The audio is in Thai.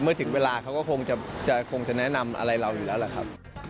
เมื่อถึงเวลาเขาก็คงจะแนะนำอะไรเราอยู่แล้วแหละครับ